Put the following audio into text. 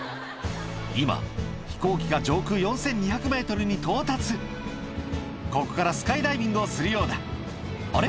今飛行機が上空４２００ｍに到達ここからスカイダイビングをするようだあれ？